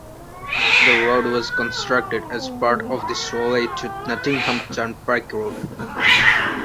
The road was constructed as part of the Sawley to Nottingham turnpike road.